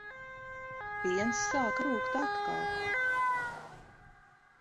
Piens sāka rūgt atkal.